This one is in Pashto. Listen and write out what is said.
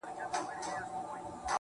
سپين گل د بادام مي د زړه ور مـات كړ.